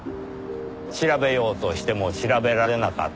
調べようとしても調べられなかった。